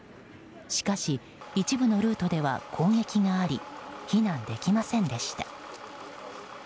しかし、一部のルートでは攻撃があり避難できませんでした。